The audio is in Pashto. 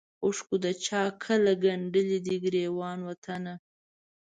اوښکو د چا کله ګنډلی دی ګرېوان وطنه